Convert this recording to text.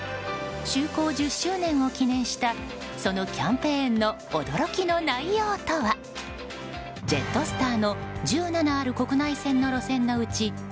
就航１０周年を記念したそのキャンペーンの驚きの内容とはジェットスターの１７ある国内線の路線のうち